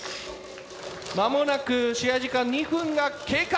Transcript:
間もなく試合時間２分が経過。